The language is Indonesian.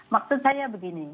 maksud saya begini